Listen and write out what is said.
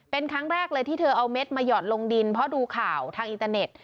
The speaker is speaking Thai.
เป็นครั้งแรกเลยที่เธอเอาเม็ดมาหยอดลงดินเพราะดูข่าวทางอินเตอร์เน็ต